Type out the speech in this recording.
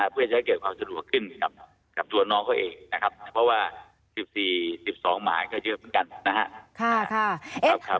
เพื่อจะให้เกิดความสะดวกขึ้นกับตัวน้องเขาเองนะครับเพราะว่า๑๔๑๒หมายก็เยอะเหมือนกันนะครับ